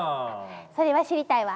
それは知りたいわ。